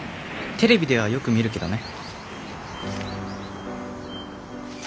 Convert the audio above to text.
テレビではよく見るけどね」。